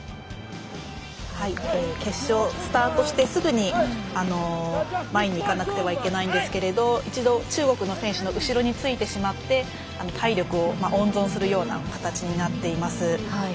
決勝スタートしてすぐに前に行かなくてはいけないんですけれど一度、中国の選手の後ろについてしまって体力を温存するような形になっています。